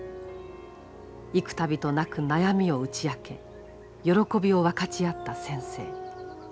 幾度となく悩みを打ち明け喜びを分かち合った先生。